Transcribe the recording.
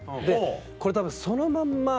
これたぶんそのまんま